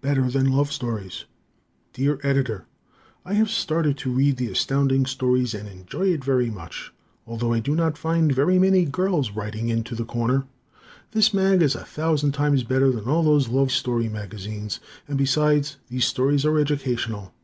Better Than Love Stories Dear Editor: I have started to read the Astounding Stories and enjoy it very much, although I do not find very many girls writing in to the "Corner." This mag is a thousand times better than all those love story magazines, and besides these stories are educational.